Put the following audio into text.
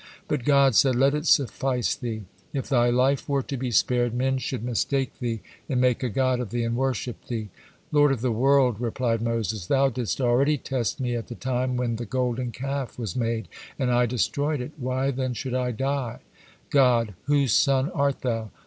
But God said: "' Let it suffice thee.' If thy life were to be spared, men should mistake thee, and make a god of thee, and worship thee." "Lord of the world!" replied Moses, "Thou didst already test me at the time when the Golden Calf was made and I destroyed it. Why then should I die?" God: "Whose son art thou?"